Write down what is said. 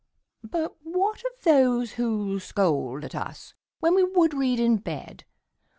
"But what of those who scold at usWhen we would read in bed?